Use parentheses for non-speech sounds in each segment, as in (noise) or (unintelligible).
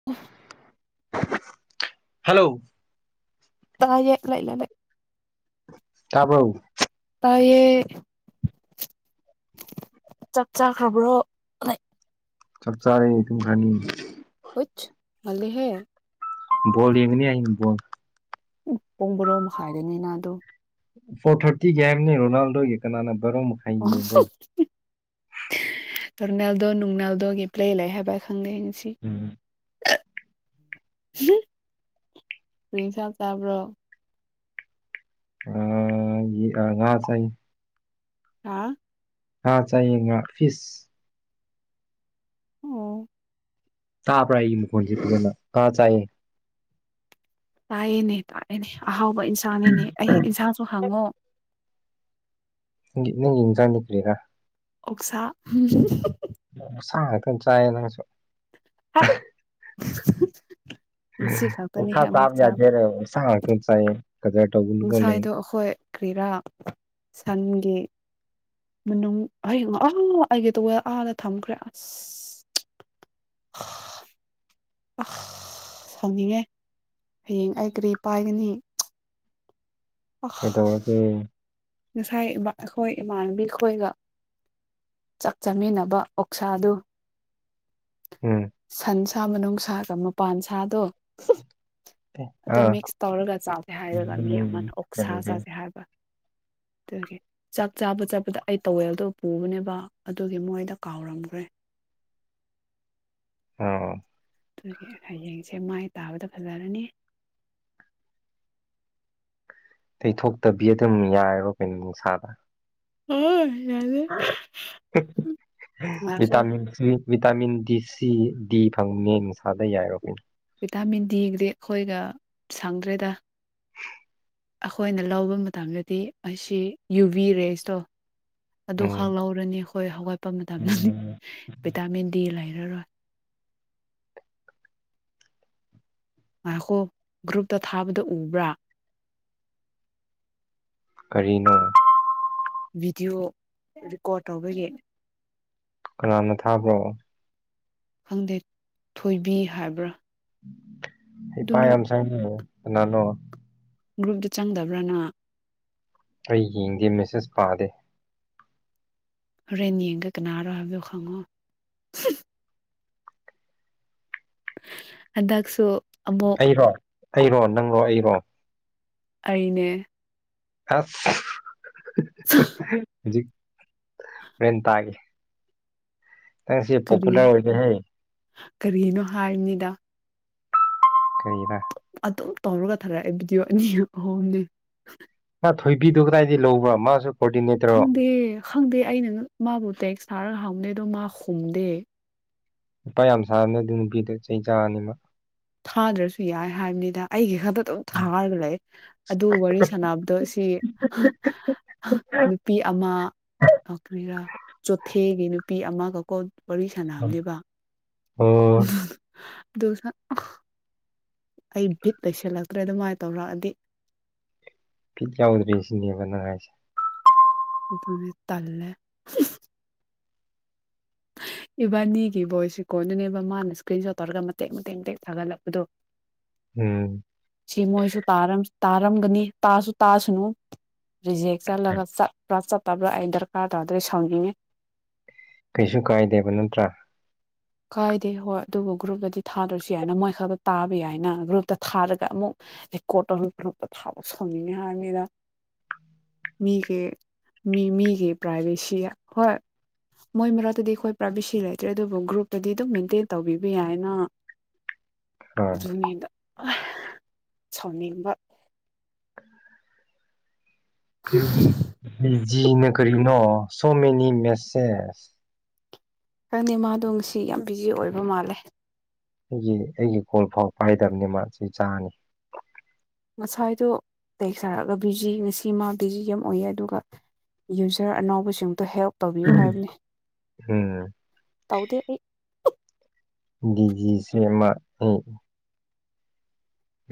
(unintelligible) hello ꯇꯥꯏꯌꯦ (unintelligible) ꯇꯥꯕ꯭ꯔꫭ ꯇꯥꯏꯌꯦ ꯆꯥꯞ ꯆꯥꯈ꯭ꯔꯕ꯭ꯔꯣ ꯂꯩ ꯆꯥꯛ ꯆꯥꯔꯦ ꯇꯨꯝꯈꯔꯅꯤ ꯋꯤꯠ ꯉꯥꯜꯂꯤꯍꯦ ꯕꯣꯜ ꯌꯦꯡ (unintelligible) ꯑꯩꯅ ꯕꫭꯜ ꯄꯨꯡ ꯕꯥꯔꯣ ꯃꯈꯥꯏꯗꯅꯤꯅ ꯑꯗꯨꯝ ꯕꫭꯜ ꯊꯥꯔꯇꯤꯒꯤ ꯍꯥꯏꯕꯅꯦ ꯔꯣꯅꯥꯜꯗꯣꯒꯤ ꯀꯅꯥꯅ ꯕꯥꯔꯣ ꯃꯈꯥꯏ ꯌꯦꯡꯕꯣ ꯔꫭꯅꯥꯜꯗꯣ ꯅꯨꯡꯅꯥꯜꯗꯣꯒꯤ ꯄꯂꯦ ꯂꯩ ꯍꯥꯏꯕ ꯈꯪꯂꯦ ꯉꯁꯤ ꯎꯝ ꯀ꯭ꯔꯤ ꯏꯟꯁꯥꯡ ꯆꯥꯕ꯭ꯔꯣ ꯑꯥ ꯌꯦ ꯑꯥ ꯉꯥ ꯆꯥꯏꯌꯦ ꯍꯥꯥ ꯉꯥ ꯆꯥꯏꯌꯦ ꯉꯥ ꯐꯤꯁ ꯑꯣ ꯇꯥꯕ꯭ꯔ ꯑꯩꯒꯤ ꯃꯈꯣꯟꯁꯦ ꯐꯖꯅ ꯉꯥ ꯆꯥꯏꯌꯦ ꯇꯥꯏꯌꯦꯅꯦ ꯇꯥꯛꯑꯦꯅꯦ ꯑꯍꯥꯎꯕ ꯏꯟꯁꯥꯡꯅꯤꯅꯦ ꯑꯩ ꯏꯟꯁꯥꯡꯁꯨ ꯍꯪꯉꯣ ꯅꯪꯒꯤ ꯅꯪ ꯏꯟꯖꯥꯡꯅ ꯀ꯭ꯔꯤꯔꯥ ꯑꯣꯛꯁꯥ ꯑꯣꯛꯁꯥ ꯉꯥꯛꯇꯪ ꯆꯥꯏꯌꯦ ꯅꯪꯁꯨ (unintelligible) ꯉꯁꯤ ꯑꯣꯛꯁꯥ ꯈꯛꯇꯅꯤꯍꯦ ꯑꯃꯨꯛ ꯆꯥꯕ ꯌꯥꯗꯦ ꯍꯥꯏꯔ ꯑꯣꯛꯁꯥ ꯉꯥꯛꯇꯪ ꯆꯥꯏꯌꯦ ꯀꯗꯔ ꯇꯧꯒꯅꯨꯀꯣ ꯅꯪ ꯑꯈꯣꯏ ꯀ꯭ꯔꯤꯔꯥ ꯁꯟꯒꯤ ꯃꯅꯨꯡ ꯍꯌꯦꯡ ꯑꯥ ꯑꯩꯒꯦ ꯇꯧꯕꯗ ꯑꯥꯗ ꯊꯝꯈ꯭ꯔꯦ ꯑꯁ (unintelligible) ꯑꯁ ꯁꯥꯎꯅꯤꯡꯉꯦ ꯍꯌꯦꯡ ꯑꯩ ꯀ꯭ꯔꯤ ꯄꯥꯏꯒꯅꯤ ꯑ ꯀꯩꯗꯧꯔꯒꯦ ꯉꯁꯥꯏ ꯕꯥ ꯑꯩꯈꯣꯏ ꯏꯃꯥꯟꯅꯕꯤ ꯈꯣꯏꯒ ꯆꯥꯛ ꯆꯥꯃꯤꯟꯅꯕ ꯑꯣꯛꯁꯥꯗꯨ ꯎꯝ ꯁꯟ ꯁꯥ ꯃꯅꯨꯡꯁꯥꯒ ꯃꯄꯥꯟ ꯁꯥꯗꯣ ꯑꯗꯨ ꯑꯥ ꯃꯤꯛꯁ ꯇꯧꯔꯒ ꯆꯥꯖꯦ ꯍꯥꯏꯔꯒ ꯃꯤ ꯑꯃꯅ ꯎꯝ ꯑꯣꯛꯁꯥ ꯆꯥꯖꯦ ꯍꯥꯏꯕ ꯑꯗꯨꯒꯤ ꯆꯥꯛ ꯆꯥꯕ ꯆꯠꯄꯗ ꯑꯩ ꯇꯧꯋꯦꯜꯗꯣ ꯄꯨꯕꯅꯦꯕ ꯑꯗꯨꯒꯤ ꯃꯣꯏꯗ ꯀꯥꯎꯔꯝꯒ꯭ꯔꯦ (inaudible) ꯑꯣ ꯇꯨꯒꯤ ꯍꯌꯦꯡꯁꯦ ꯃꯥꯏ ꯇꯥꯕꯗ ꯐꯖꯔꯅꯤ ꯇꯩꯊꯣꯛꯇꯕꯤ ꯑꯗꯨꯝ ꯌꯥꯏꯔꯣ ꯀꯩꯅꯣ ꯅꯨꯡꯁꯥꯗ (unintelligible) ꯉꯥꯏꯈꯣ (unintelligible) ꯚꯤꯇꯥꯃꯤꯟ ꯗꯤ ꯁꯤ ꯗꯤ ꯐꯪꯕꯅꯦ ꯅꯨꯡꯁꯥꯗ ꯌꯥꯏꯔꯣ ꯀꯩꯅꯣ ꯚꯤꯇꯥꯃꯤꯟ ꯗꯤꯒꯗꯤ ꯑꯈꯣꯏꯒ ꯁꯪꯗ꯭ꯔꯦꯗ ꯑꯈꯣꯏꯅ ꯂꯧꯕ ꯃꯇꯝꯗꯗꯤ ꯑꯁꯤ ꯌꯨꯚꯤ ꯔꯦꯁꯇꯣ ꯎꯝ ꯑꯗꯨꯈꯛ ꯂꯧꯔ ꯔꯅꯤ ꯑꯈꯣꯏ ꯍꯧꯒꯠꯄ ꯃꯇꯝꯗꯅꯤ ꯎꯝ ꯚꯤꯇꯥꯃꯤꯟ ꯗꯤ ꯂꯩꯔꯔꯣꯏ ꯉꯥꯈꯣ ꯒ꯭ꯔꯨꯞꯇ ꯊꯥꯕꯗ ꯎꯕ꯭ꯔꯥ ꯀꯔꯤꯅꯣ ꯚꯤꯗꯤꯑꯣ ꯔꯦꯀꯣꯔꯠ ꯇꯧꯕꯒꯤ ꯀꯅꯥꯅ ꯊꯥꯕ꯭ꯔꯣ ꯈꯪꯗꯦ ꯊꯣꯏꯕꯤ ꯍꯥꯏꯕ꯭ꯔꯥ ꯑꯗꯨ ꯍꯩꯄꯥ ꯅꯪ ꯌꯥꯝ ꯁꯥꯏꯅꯦ ꯀꯅꯥꯅꯣ ꯒ꯭ꯔꯨꯞꯇ ꯆꯪꯗꯕ꯭ꯔ ꯅꯪ ꯑꯩ ꯌꯦꯡꯗꯦ ꯃꯦꯁꯦꯁ ꯄꯥꯗꯦ ꯍꯣꯔꯦꯟ ꯌꯦꯡꯗ ꯀꯅꯥꯔꯣ ꯍꯥꯏꯕꯗꯣ ꯈꯪꯉꯣ ꯍꯟꯗꯛꯁꯨ ꯑꯃꯨꯛ ꯑꯩꯔꯣ ꯑꯩꯔꯣ ꯅꯪꯔꯣ ꯑꯩꯔꯣ ꯑꯩꯅꯦ ꯑꯁ ꯍꯧꯖꯤꯛ ꯃꯦꯟꯇꯥꯒꯤ ꯅꯪꯁꯦ ꯀꯔꯤ ꯄꯣꯄꯨꯂꯔ ꯑꯣꯏꯗꯦꯍꯦ ꯀꯔꯤꯅꯣ ꯍꯥꯏꯕꯅꯤꯗ ꯀꯩꯔꯤꯔꯥ ꯑꯗꯨꯝ ꯇꯧꯔꯒ ꯊꯥꯔꯛꯑꯦ ꯚꯤꯗꯤꯑꯣ ꯑꯅꯤꯔꯛ ꯑꯍꯨꯝꯗꯤ ꯃꯥ ꯊꯣꯏꯕꯤꯗꯨ ꯀꯗꯥꯏꯗꯩ ꯂꯧꯕ꯭ꯔꯥ ꯃꯥꯁꯨ ꯀꯣꯑꯣꯔꯗꯤꯅꯦꯇꯔꯣ ꯈꯪꯗꯦ ꯈꯪꯗꯦ ꯑꯩꯅ ꯃꯥꯕꯨ ꯇꯦꯛꯁ ꯊꯥꯔꯒ ꯍꯪꯕꯅꯦ ꯑꯗꯣ ꯃꯥ ꯈꯨꯝꯗꯦ ꯍꯩꯄꯥ ꯌꯥꯝ ꯁꯥꯕꯅꯤ ꯑꯗꯨ ꯅꯨꯄꯤꯗꯣ ꯆꯩ ꯆꯥꯔꯅꯤ ꯃꯥ ꯊꯥꯗ꯭ꯔꯁꯨ ꯌꯥꯏ ꯍꯥꯏꯕꯅꯤꯗ ꯑꯩꯒꯤ ꯈꯛꯇ ꯑꯗꯨꯝ ꯊꯥꯔꯒ ꯂꯩ ꯑꯗꯨ ꯋꯥꯔꯤ ꯁꯥꯟꯅꯕꯗꯣ ꯁꯤ ꯅꯨꯄꯤ ꯑꯃ ꯑ ꯀꯔꯤꯔꯥ ꯆꯣꯊꯦꯒꯤ ꯅꯨꯄꯤ ꯑꯃꯒꯀꯣ ꯋꯥꯔꯤ ꯎꯝ ꯁꯥꯟꯅꯕꯅꯦꯕ ꯑꯣ (unintelligible) ꯑꯗꯨ ꯁꯥ ꯑ ꯑꯩ ꯕꯤꯠ ꯂꯩꯁꯜꯂꯛꯇ꯭ꯔꯦꯗ ꯑꯗꯨꯃꯥꯏꯅ ꯇꯧꯔꯛꯑꯗꯤ ꯕꯤꯠ ꯌꯥꯎꯗ꯭ꯔꯦ ꯁꯤꯅꯦꯕ ꯅꯪ ꯍꯥꯏꯁꯦ ꯑꯗꯨꯅꯦ ꯇꯜꯂꯦ ꯏꯕꯥꯅꯤꯒꯤ ꯚꯣꯏꯁ ꯔꯤꯀꯣꯟꯗꯨꯅꯦꯕ ꯃꯥꯅ ꯏꯁꯀ꯭ꯔꯤꯟ ꯁꯣꯠ ꯇꯧꯔꯒ ꯃꯇꯦꯛ ꯃꯇꯦꯛ ꯃꯇꯦꯛ ꯊꯥꯒꯠꯂꯛꯄꯗꯣ (inaudible) ꯎꯝ ꯁꯤ ꯃꯣꯏꯁꯨ ꯇꯥꯔꯝ ꯇꯥꯔꯝꯒꯅꯤ ꯇꯥꯁꯨ ꯇꯥꯁꯅꯨ ꯔꯤꯖꯦꯛ ꯆꯠꯂꯒ ꯆꯠꯄ꯭ꯔꯥ ꯆꯠꯇꯕ꯭ꯔꯥ ꯑꯩ ꯗꯔꯀꯥꯔ ꯇꯥꯗ꯭ꯔꯦ ꯁꯥꯎꯅꯤꯡꯉꯦ ꯀꯩꯁꯨ ꯀꯥꯏꯗꯦꯕ ꯅꯠꯇ꯭ꯔꯥ ꯀꯥꯏꯗꯦ ꯍꯣꯏ ꯑꯗꯨꯕꯨ ꯒ꯭ꯔꯨꯞꯇꯗꯤ ꯊꯥꯗ꯭ꯔꯁꯨ ꯌꯥꯏꯅ ꯃꯣꯏ ꯈꯛꯇ ꯇꯥꯕ ꯌꯥꯏꯅ ꯒ꯭ꯔꯨꯞꯇ ꯊꯥꯔꯒ ꯑꯃꯨꯛ ꯔꯦꯀꯣꯇ ꯇꯧꯔꯒ ꯒ꯭ꯔꯨꯞꯇ ꯊꯥꯕ ꯁꯥꯎꯅꯤꯡꯉꯤ ꯍꯥꯏꯕꯅꯤꯗ ꯃꯤꯒꯤ ꯃꯤ ꯃꯤꯒꯤ ꯄ꯭ꯔꯥꯏꯚꯦꯁꯤ ꯍꯣꯏ ꯃꯣꯏ ꯃꯔꯛꯇꯗꯤ ꯑꯩꯈꯣꯏ ꯄ꯭ꯔꯥꯏꯕꯦꯁꯤ ꯂꯩꯇ꯭ꯔꯦ ꯑꯗꯨꯕꯨ ꯒ꯭ꯔꯨꯞ ꯑꯗꯨꯗꯤ ꯑꯗꯨꯝ ꯃꯦꯟꯇꯦꯟ ꯇꯧꯕꯤꯕ ꯌꯥꯏꯅ ꯑꯥ ꯑꯗꯨꯅꯤꯗ (unintelligible) ꯁꯥꯎꯅꯤꯡꯕ ꯕꯤꯖꯤꯅ ꯀꯔꯤꯅꯣ ꯁꯣ ꯃꯦꯅꯤ ꯃꯦꯁꯦꯁ ꯈꯪꯗꯦ ꯃꯥꯗꯣ ꯉꯁꯤ ꯌꯥꯝ ꯕꯤꯖꯤ ꯑꯣꯏꯕ ꯃꯥꯜꯂꯦ ꯑꯩꯒꯤ ꯑꯩꯒꯤ ꯐꯣꯜ ꯐꯥꯎ ꯄꯥꯏꯗꯕꯅꯤ ꯃꯥ ꯆꯩ ꯆꯥꯅꯤ ꯉꯁꯥꯏꯗꯣ ꯇꯩ ꯁꯥꯔꯒ ꯕꯤꯖꯤ ꯉꯁꯤ ꯃꯥ ꯕꯤꯖꯤ ꯌꯥꯝ ꯑꯣꯏꯌꯦ ꯑꯗꯨꯒ ꯌꯨꯖꯔ ꯑꯅꯧꯕꯁꯤꯡꯗꯣ ꯍꯦꯜꯞ ꯇꯧꯕꯤꯌꯨ ꯍꯥꯏꯕꯅꯤ ꯎꯝ ꯇꯧꯗꯦ ꯑꯩ ꯕꯤꯖꯤꯁꯦ ꯃꯥ (unintelligible)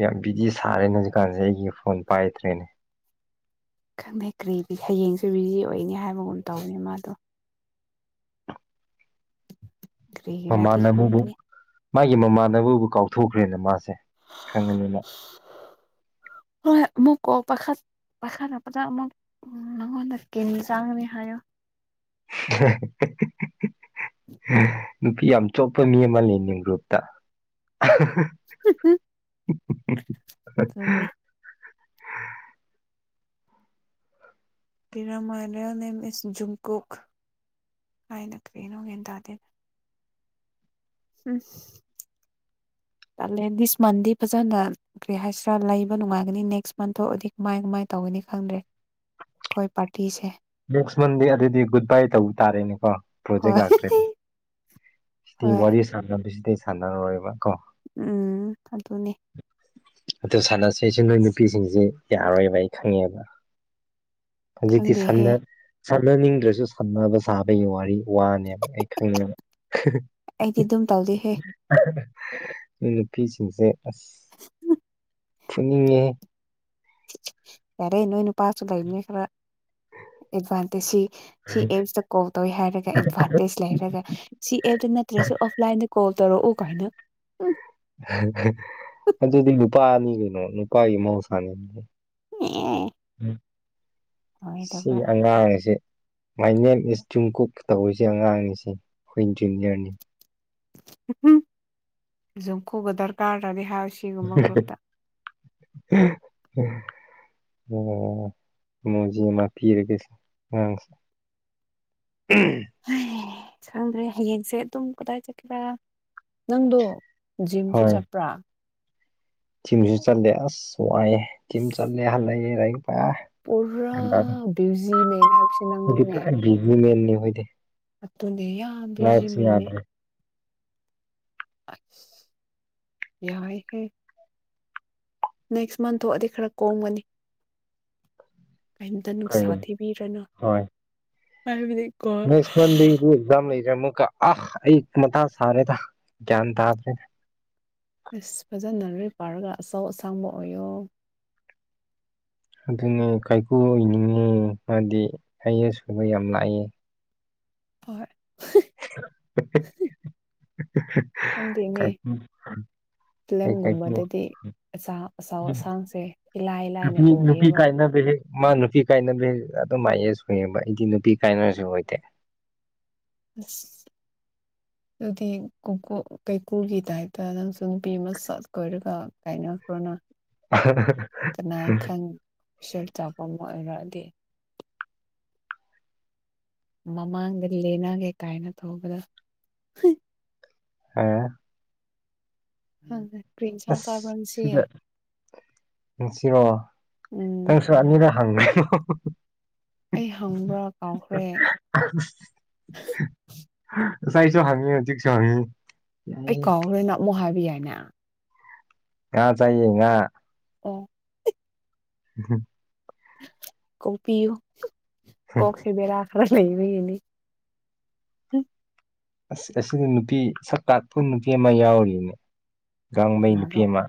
ꯌꯥꯝ ꯕꯤꯖꯤ ꯁꯥꯔꯦꯅꯦ ꯍꯧꯖꯤꯛꯀꯥꯟꯁꯦ ꯑꯩꯒꯤ ꯐꯣꯟ ꯄꯥꯏꯗ꯭ꯔꯦꯅꯦ ꯈꯪꯗꯦ ꯀꯔꯤꯗꯤ ꯍꯌꯦꯡꯁꯨ ꯕꯤꯖꯤ ꯑꯣꯏꯅꯤ ꯍꯥꯏꯕꯒꯨꯝ ꯇꯧꯕꯅꯤ ꯃꯥꯗꯣ ꯀꯔꯤꯒꯤꯔꯗꯤ ꯃꯃꯥꯟꯅꯕꯕꯨ ꯈꯪꯗꯦ ꯃꯥꯒꯤ ꯃꯃꯥꯟꯅꯅꯕꯕꯨ ꯀꯥꯎꯊꯣꯛꯈ꯭ꯔꯦꯅ ꯃꯥꯁꯦ ꯈꯪꯉꯅꯤ ꯃ ꯍꯣꯏ ꯑꯃꯨꯛ ꯀꯣꯜ ꯄꯥꯏꯈꯠ ꯄꯥꯏꯈꯠꯂꯛꯄꯗ ꯑꯃꯨꯛ ꯅꯉꯣꯟꯗ ꯀꯦꯅꯤ ꯆꯥꯒꯅꯤ ꯍꯥꯏꯌꯣ (unintelligible) ꯅꯨꯄꯤ ꯌꯥꯝ ꯆꯣꯠꯄ ꯃꯤ ꯑꯃ ꯂꯩꯅꯦ ꯒ꯭ꯔꯨꯞꯇ (unintelligible) (unintelligible) ꯑꯗꯨꯅꯤ (unintelligible) ꯃꯤꯁ ꯖꯨꯡꯀꯣꯛ ꯍꯥꯏꯅ ꯀꯔꯤꯅꯣ ꯒ꯭ꯌꯥꯟ ꯇꯥꯗꯦ ꯎꯝ ꯇꯜꯂꯦ ꯗꯤꯁ ꯃꯟꯗꯤ ꯐꯖꯅ ꯀꯔꯤ ꯍꯥꯏꯁꯤꯔꯥ ꯂꯩꯕ ꯅꯨꯡꯉꯥꯏꯒꯅꯤ ꯅꯦꯛꯁ ꯃꯟ ꯊꯣꯛꯑꯗꯤ ꯀꯃꯥꯏ ꯀꯃꯥꯏ ꯇꯧꯒꯅꯤ ꯈꯪꯗ꯭ꯔꯦ ꯀꯣꯏ ꯄꯥꯔꯇꯤꯁꯦ ꯅꯦꯛꯁ ꯃꯟꯗꯤ ꯑꯗꯨꯗꯤ ꯒꯨꯗ ꯕꯥꯏ ꯇꯧꯕ ꯇꯥꯔꯦꯅꯦꯀꯣ ꯄ꯭ꯔꯣꯖꯦꯛ ꯍꯣꯏ ꯂꯥꯛꯇ꯭ꯔꯗꯤ ꯁꯤꯗꯤ ꯍꯣꯏ ꯋꯥꯔꯤ ꯁꯥꯟꯅꯕꯁꯤꯗꯤ ꯁꯥꯟꯅꯔꯔꯣꯏꯕ ꯀꯣ ꯎꯝ ꯑꯗꯨꯅꯦ ꯑꯗꯨ ꯁꯥꯟꯅꯁꯦꯁꯨ ꯅꯣꯏ ꯅꯨꯄꯤꯁꯤꯡꯁꯦ ꯌꯥꯔꯣꯏꯕ ꯑꯩ ꯈꯪꯉꯦꯕ (inaudible) ꯍꯧꯖꯤꯛꯇꯤ ꯈꯪꯗꯦꯍꯦ ꯁꯥꯟꯅ ꯁꯥꯟꯅꯅꯤꯡꯗ꯭ꯔꯁꯨ ꯁꯥꯟꯅꯕ ꯁꯥꯕꯒꯤ ꯋꯥꯔꯤ ꯋꯥꯅꯦꯕ ꯑꯩ ꯈꯪꯉꯦꯕ ꯑꯩꯗꯤ ꯑꯗꯨꯝ ꯇꯧꯗꯦꯍꯦ (unintelligible) ꯅꯣꯏ ꯅꯨꯄꯤꯁꯤꯡꯁꯦ ꯑꯁ ꯐꯨꯅꯤꯡꯉꯦꯍꯦ ꯌꯥꯔꯦ ꯅꯣꯏ ꯅꯨꯄꯥꯁꯨ ꯂꯩꯕꯅꯤ ꯈꯔ ꯑꯦꯗꯚꯥꯟꯇꯦꯖ ꯁꯤ ꯁꯤ ꯑꯦꯞꯁꯇ ꯀꯣꯜ ꯇꯧꯋꯤ ꯍꯥꯏꯔꯒ ꯑꯦꯗꯚꯥꯟꯇꯦꯖ ꯂꯩꯔꯒ ꯁꯤ ꯑꯦꯞꯇ ꯅꯠꯇ꯭ꯔꯁꯨ ꯑꯣꯐꯂꯥꯏꯟꯗ ꯀꯣꯜ ꯇꯧꯔꯛꯑꯣ ꯑꯣ ꯀꯥꯏꯅ ꯎꯝ (unintelligible) ꯑꯗꯨꯗꯤ ꯅꯨꯄꯥꯅꯤ ꯀꯩꯅꯣ ꯅꯨꯄꯥꯒꯤ ꯃꯍꯧꯁꯥꯅꯦ ꯑꯦ ꯎꯨꯝ ꯁꯤ ꯑꯣꯏꯗꯕ ꯑꯉꯥꯡꯁꯤ ꯃꯥꯏꯅꯦꯝ ꯏꯁ ꯇ꯭ꯔꯤꯝ ꯀꯨꯛ ꯇꯧꯔꯤꯁꯦ ꯑꯉꯥꯡꯅꯤꯁꯤ ꯑꯩꯈꯣꯏ ꯏꯟꯖꯨꯅꯤꯌꯔꯅꯤ ꯖꯨꯡꯀꯨꯒ ꯗꯔꯀꯥ ꯇꯥꯗꯦꯍꯥꯏꯁꯤ (unintelligible) ꯑꯣ ꯃꯣꯖꯤ ꯃꯥ ꯄꯤꯔꯒꯦ ꯁꯦ ꯑꯉꯥꯡꯁ (unintelligible) ꯍꯩ ꯈꯪꯗ꯭ꯔꯦ ꯍꯌꯦꯡꯁꯦ ꯑꯗꯨꯝ ꯀꯗꯥꯏ ꯆꯠꯀꯦꯔꯥ ꯅꯪꯗꯣ ꯖꯤꯝꯁꯨ ꯆꯞꯄ꯭ꯔꯥ ꯊꯤꯝꯁꯨ ꯆꯠꯂꯦ ꯑꯁ ꯋꯥꯏꯌꯦ ꯊꯤꯝ ꯆꯠꯂꯦ ꯍꯜꯂꯛꯑꯦ ꯂꯥꯏꯔꯤꯛ ꯄꯥꯏ- ꯄꯨꯔꯥ ꯕ꯭ꯌꯨꯖꯤꯃꯦꯟ ꯍꯥꯏꯕꯁꯨ ꯑꯩꯗꯤ ꯄꯨꯔꯥ ꯕꯤꯖꯤ ꯃꯦꯟꯅꯤ ꯑꯩꯈꯣꯏꯗꯤ ꯑꯇꯨꯅꯦ ꯌꯥꯝ ꯕꯤꯖꯤ ꯂꯥꯏꯐꯁꯤ ꯃꯦꯟꯅꯦ ꯌꯥꯗ꯭ꯔꯦ ꯌꯥꯏ ꯍꯦ ꯅꯦꯛꯁ ꯃꯟ ꯊꫭꯛꯑꯗꯤ ꯈꯔ ꯀꯣꯝꯒꯅꯤ ꯀꯩꯝꯇ ꯀꯩ ꯅꯨꯡꯁꯥ ꯊꯤꯕꯤꯔꯅꯨ ꯍꯣꯏ ꯍꯥꯏꯕꯗꯤ ꯀꯣ ꯅꯦꯛꯁ ꯃꯟꯗꯦꯗꯨ ꯑꯦꯛꯖꯝ ꯂꯩꯔꯦ ꯑꯃꯨꯀ ꯑ ꯑꯩ ꯃꯊꯥ ꯁꯥꯔꯦ ꯒꯌꯥꯟ ꯇꯥꯗ꯭ꯔꯦ ꯑꯁ ꯐꯖꯅ ꯂꯩꯔꯤꯛ ꯄꯥꯔꯒ ꯑꯆꯧ ꯑꯁꯥꯡꯕ ꯑꯣꯏꯌꯣ ꯑꯗꯨꯅꯤ ꯀꯥꯏꯀꯨ ꯑꯣꯏꯅꯤꯡꯉꯤ ꯃꯥꯗꯤ ꯑꯥꯏ ꯑꯦꯁ ꯀꯨꯝꯕ ꯌꯥꯝ ꯂꯥ ꯑꯦ ꯍꯣꯏ (unintelligible) ꯀꯥꯏꯀꯨ ꯐꯤꯂꯨꯝ ꯑꯩ ꯀꯥꯏꯀꯨ ꯒꯨꯝꯕꯗꯗꯤ ꯑꯆꯥ ꯑꯆꯥꯎ ꯑꯁꯥꯡꯁꯦ ꯏꯂꯥꯏ ꯂꯥꯏꯅ ꯅꯨꯄꯤ ꯑꫭ ꯅꯨꯄꯤ ꯀꯥꯏꯅꯕꯒꯤ ꯃꯥ ꯅꯨꯄꯤ ꯀꯥꯏꯅꯕꯩ ꯑꯗꯨꯝ ꯑꯥꯏ ꯑꯦꯁ ꯑꯣꯏꯌꯦꯕ ꯑꯩꯗꯤ ꯅꯨꯄꯤ ꯀꯥꯏꯅꯕꯔꯁꯨ ꯑꯣꯏꯗꯦ ꯑꯁ ꯑꯗꯨꯗꯤ ꯀꯨꯀꯨ ꯀꯥꯏꯀꯨꯒꯤ ꯇꯥꯏꯞ ꯇ ꯅꯪꯁꯨ ꯅꯨꯄꯤ ꯑꯃ ꯁꯠ ꯀꯣꯏꯔꯒ ꯀꯥꯏꯅꯈ꯭ꯔꯣꯅ ꯀꯅꯥ ꯈꯪ ꯑꫭꯐꯤꯁꯔ ꯑꯆꯥꯎꯕꯃ ꯑꯣꯏꯔꯛꯑꯗꯤ ꯃꯃꯥꯡꯗ ꯂꯦꯅꯒꯦ ꯀꯥꯏꯅ ꯇꯧꯕꯗ ꯑꯦ ꯅꯪꯗꯤ ꯀ꯭ꯔꯤ ꯏꯟꯁꯥꯡ ꯆꯥꯕ꯭ꯔꯥ ꯑꯁ ꯉꯁꯤ ꯉꯥꯁꯤꯔꯣ ꯎꯝ ꯅꯪꯁꯨ ꯑꯅꯤꯔ ꯍꯪꯒ꯭ꯔꯦ (unintelligible) ꯑꯩ ꯍꯪꯕ꯭ꯔꯥ ꯀꯥꯎꯈ꯭ꯔꯦ ꯉꯁꯥꯏꯁꯨ ꯍꯪꯉꯦ ꯍꯧꯖꯤꯛꯁꯨ ꯍꯪꯉꯦ ꯑꯩ ꯀꯥꯎꯈ꯭ꯔꯦ ꯅꯪ ꯑꯃꯨꯛ ꯍꯥꯏꯕꯤ ꯌꯥꯏꯅ ꯉꯥ ꯆꯥꯏꯌꯦ ꯉꯥ ꯑꯣ (unintelligible) ꯀꯣꯛꯄꯤꯌꯨ ꯀꯣꯛꯁꯦ ꯕꯦꯔꯥ ꯈꯔ ꯂꯩꯕꯒꯤꯅꯤ ꯑꯁ ꯑꯁꯤꯗ ꯅꯨꯄꯤ ꯁꯛ ꯀꯥꯛꯄ ꯅꯨꯄꯤ ꯑꯃ ꯌꯥꯎꯔꯤꯅꯦ ꯒꯥꯡꯃꯩ ꯅꯨꯄꯤ ꯀꯅꯥꯔꯣ ꯑꯃ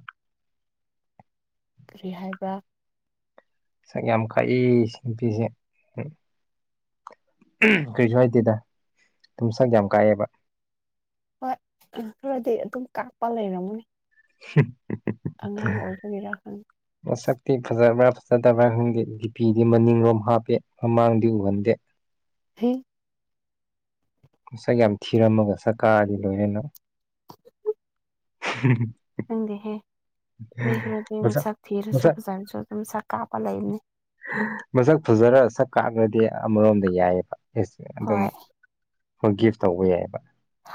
ꯀꯥꯔꯤ ꯍꯥꯏꯕ꯭ꯔ ꯁꯛ ꯌꯥꯝ ꯀꯥꯛꯏ ꯁꯤ ꯅꯨꯄꯤꯁꯦ ꯎꯨꯝ ꯀꯩꯁꯨ ꯍꯥꯏꯗꯦꯗ ꯑꯗꯨꯨꯝ ꯁꯛ ꯌꯥꯝ ꯀꯥꯛꯑꯦꯕ ꯍꯣꯏ ꯈꯔꯗꯤ ꯑꯗꯨꯝ ꯀꯥꯞꯄ ꯂꯩꯔꯝꯒꯅꯤ (unintelligible) ꯑꯉꯥꯡ ꯑꯣꯏꯕꯒꯤꯔꯥ ꯈꯪ ꯃꯁꯛꯇꯤ ꯐꯖꯕ꯭ꯔꯥ ꯐꯖꯗꯕ꯭ꯔꯥ ꯈꯪꯗꯦ ꯗꯤꯄꯤꯗꯤ ꯃꯅꯤꯡꯂꯣꯝ ꯍꯥꯞꯄꯦ ꯃꯃꯥꯡꯗꯤ ꯎꯍꯟꯗꯦ (unintelligible) ꯁꯛ ꯌꯥꯝ ꯊꯤꯔꯝꯃꯒ ꯁꯛ ꯀꯥꯛꯑꯗꯤ ꯂꯣꯏꯔꯦ ꯅꯪ ꯍꯨꯝ ꯅꯪꯗꯤ ꯍꯦ ꯃꯤ ꯈ꯭ꯔ ꯑꯗꯨ ꯃꯁꯛ ꯁꯥꯛ ꯊꯤꯔꯁꯨ ꯃꯁꯛ ꯐꯖꯔꯁꯨ ꯑꯗꯨꯝ ꯁꯛ ꯀꯥꯞꯄ ꯂꯩꯕꯅꯤ ꯃꯁꯛ ꯐꯖꯔ ꯁꯛ ꯀꯥꯛꯂꯗꯤ ꯑꯃꯔꯣꯝꯗ ꯌꯥꯏꯑꯕ ꯑꯦꯁ ꯑꯗꯨꯝ ꯍꯣꯏ ꯐꯣꯔ ꯒꯤꯞ ꯇꯧꯕ ꯌꯥꯏꯑꯕ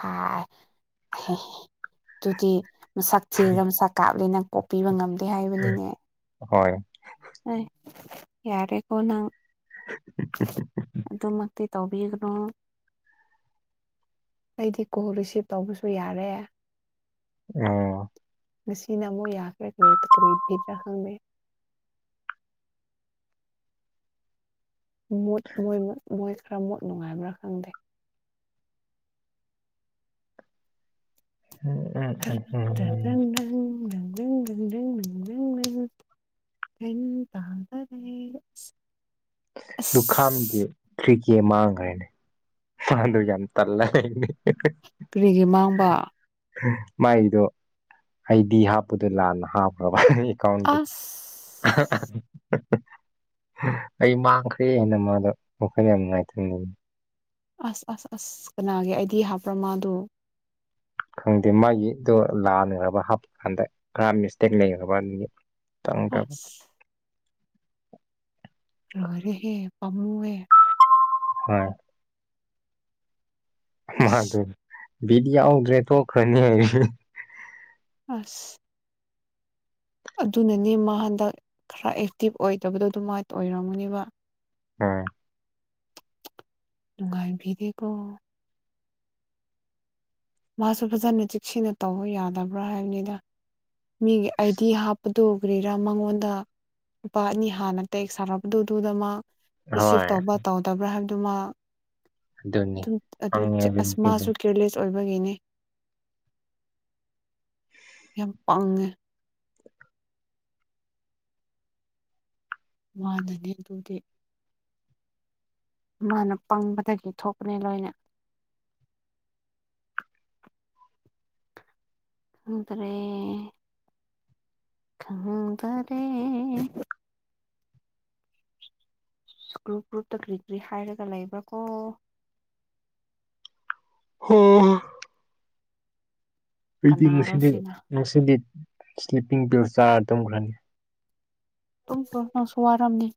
ꯍꯥꯏ ꯍꯦꯍꯤ ꯑꯗꯨꯗꯤ ꯃꯁꯛ ꯊꯤꯔ ꯃꯁꯛ ꯀꯥꯞꯂꯤ ꯅꯪ ꯀꯣꯛꯄꯤꯕ ꯉꯝꯗꯦ ꯍꯥꯏꯕꯅꯤꯅꯦ ꯍꯣꯏ ꯑꯩ ꯌꯥꯔꯦꯀꯣ ꯅꯪ ꯑꯗꯨ ꯃꯛꯇꯤ ꯇꯧꯕꯤꯒꯅꯨ ꯑꯩꯗꯤ ꯀꯣꯜ ꯔꯤꯁꯤꯞ ꯇꯧꯕꯁꯨ ꯌꯥꯔꯦ ꯑꯣ ꯉꯥꯁꯤꯅꯥ ꯑꯃꯨꯛ ꯌꯥꯈꯔꯦ ꯀꯔꯤ ꯇ ꯀꯔꯤ ꯀꯔꯤ ꯔ ꯈꯪꯗꯦ ꯃꯨꯠ ꯃꯣꯏ ꯃꯨꯠ ꯃꯣꯏ ꯈꯔ ꯃꯨꯠ ꯅꯨꯡꯉꯥꯏꯕ꯭ꯔꯥ ꯈꯪꯗꯦ ꯎꯝ ꯎ ꯎ (unintelligible) (unintelligible) (unintelligible) ꯗꯨꯈꯥꯝꯒꯤ ꯑꯁ ꯀ꯭ꯔꯤ ꯀꯤ ꯃꯥꯡꯈ꯭ꯔꯦꯅꯦ ꯐꯥꯜꯗ ꯌꯥꯝ ꯇꯜꯂꯦ‌ꯍꯦ ꯍꯦ ꯍꯤ ꯀꯔꯤꯒꯤ ꯃꯥꯡꯕ ꯑ ꯃꯥꯏꯒꯤꯗꯣ ꯑꯩꯗꯤ ꯍꯥꯞꯄꯗ ꯂꯥꯟꯅ ꯍꯥꯞꯈ꯭ꯔꯕ ꯍꯥꯍꯩ ꯑꯁ (unintelligible) ꯑꯩ ꯃꯥꯡꯈ꯭ꯔꯦꯅ ꯃꯥꯗꯣ ꯋꯥꯈꯜ ꯌꯥꯝ ꯅꯨꯡꯉꯥꯏꯇꯅ ꯑꯁ ꯑꯁ ꯑꯁ ꯀꯅꯥꯒꯤ ꯑꯩꯗꯤ ꯍꯥꯞꯄ꯭ꯔꯥ ꯃꯥꯗꯣ ꯈꯪꯗꯦ ꯃꯥꯒꯤ ꯑꯗꯣ ꯂꯥꯟꯅꯈ꯭ꯔꯕ ꯍꯥꯞ ꯀꯥꯟꯗ ꯈꯔ ꯃꯤꯁꯇꯦꯛ ꯂꯩꯈ꯭ꯔꯕꯅꯤ ꯑꯁ ꯂꯣꯏꯔꯦꯍꯦ ꯄꯥꯝꯃꯨꯋꯦ ꯍꯣꯏ ꯃꯥ ꯗꯨ ꯑꯁ ꯕꯤꯠ ꯌꯥꯎꯗ꯭ꯔꯦ ꯇꯣꯛꯈ꯭ꯔꯅꯤꯌꯦ ꯑꯁ ꯑꯗꯨꯅꯅꯦ ꯃꯥ ꯍꯟꯗꯛ ꯈꯔ ꯑꯦꯛꯇꯤꯚ ꯑꯣꯏꯗꯕꯗꯣ ꯑꯗꯨꯃꯥꯏ ꯑꯣꯏꯔꯝꯒꯅꯤꯕ ꯎꯝ ꯅꯨꯉꯥꯏꯕꯤꯗꯦ ꯀꯣ ꯃꯥꯁꯨ ꯐꯖꯅ ꯆꯦꯛꯁꯤꯟꯅ ꯇꯧꯕ ꯌꯥꯗꯕ꯭ꯔꯥ ꯍꯥꯏꯕꯅꯤꯗ ꯃꯤꯒꯤ ꯑꯥꯏꯗꯤ ꯍꯥꯞꯄꯗꯨ ꯀꯔꯤꯔꯥ ꯃꯉꯣꯟꯗ ꯅꯨꯨꯄꯥ ꯑꯅꯤ ꯍꯥꯟꯅ ꯇꯦꯛ ꯁꯥꯥꯔꯛꯄꯗꯨ ꯑꯗꯨꯗ ꯃꯥ ꯔꯤꯁꯤꯞ ꯍꯣꯏ ꯇꯧꯕ ꯇꯧꯗꯕ꯭ꯔꯥ ꯍꯥꯏꯕꯗꯨ ꯃꯥ ꯑꯗꯨꯅꯤ ꯗꯨꯝ ꯑꯗꯨ ꯈꯪꯉꯦ ꯆꯦ ꯑꯁ ꯅꯨꯄꯤꯗꯣ ꯃꯥꯁꯨ ꯀꯤꯔꯂꯦꯁ ꯑꯣꯏꯕꯒꯤꯅꯦ ꯌꯥꯝ ꯄꯪꯉꯦ ꯃꯥꯅꯅꯤ ꯑꯗꯨꯗꯤ ꯃꯥꯅ ꯄꯪꯕꯗꯒꯤ ꯊꯣꯛꯄꯅꯦ ꯂꯣꯏꯅ ꯈꯪꯗꯔꯦ ꯈꯪꯗꯔꯦ ꯒ꯭ꯔꯨꯞ ꯒ꯭ꯔꯨꯞꯇ ꯀꯔꯤ ꯀꯔꯤ ꯍꯥꯏꯔꯒ ꯂꯩꯕ꯭ꯔꯥ ꯀꯣ ꯍꯪꯍꯥ ꯑꯩꯗꯤ ꯀꯅꯥꯔꯣ ꯉꯥꯁꯤꯗꯤ ꯁꯤꯅ ꯉꯥꯁꯤꯗꯤ ꯏꯁꯇꯦꯄꯤꯡꯒ ꯆꯥꯔ ꯇꯨꯝꯈ꯭ꯔꯅꯤ ꯇꯨꯝꯈꯔꯣ ꯅꯪꯁꯨ ꯋꯥꯔꯝꯅꯤ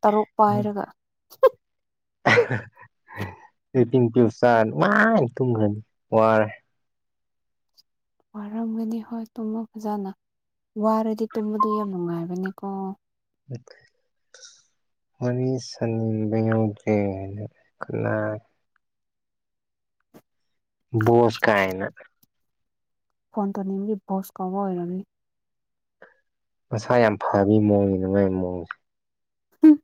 ꯇꯔꯨꯛ ꯄꯥꯏꯔꯒ ꯑꯍꯥ ꯗꯨꯏꯄꯤꯡ ꯄꯤꯡ ꯆꯔ ‌ꯅꯨꯡꯉꯥꯏꯅ ꯇꯨꯝꯈꯔꯅꯤ ꯋꯥꯔꯦ ꯋꯥꯔꯝꯃꯅꯤ ꯍꯣꯏ ꯇꯨꯝꯃꯣ ꯐꯖꯅ ꯋꯥꯔꯗꯤ ꯇꯨꯝꯕꯗꯨ ꯌꯥꯝ ꯅꯨꯡꯉꯥꯏꯕꯅꯤꯀꯣ (unintelligible) ꯋꯥꯔꯤ ꯁꯥꯅꯤꯡꯕ ꯌꯥꯎꯗ꯭ꯔꯦ ꯍꯥꯏꯅ ꯀꯅꯥ ꯕꯣꯁꯀꯥꯏꯅ ꯐꯣꯟ ꯇꯧꯅꯤꯡꯕꯒꯤ ꯕꯣꯁ ꯀꯧꯕ ꯑꯣꯏꯔꯝꯅꯤ ꯃꯁꯥ ꯌꯥꯝ ꯐꯕꯤ ꯃꯑꯣꯡꯅꯤꯅꯦ ꯃꯥꯏ ꯃꯑꯣꯡꯖꯦ ꯍꯨꯝ